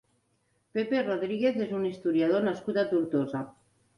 Pepe Rodríguez és un historiador nascut a Tortosa.